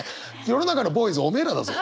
世の中のボーイズおめえらだぞ。